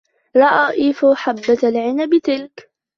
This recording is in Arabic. رأى إيفو حبة العنب تلك.